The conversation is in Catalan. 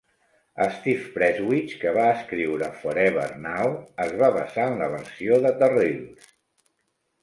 Steve Prestwich, que va escriure "Forever Now", es va basar en la versió de The Reels.